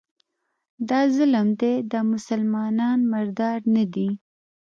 دا ظلم دی، دا مسلمانان مردار نه دي